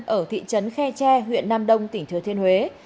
ở thị trấn khe tre huyện nam đông tỉnh thừa thiên huế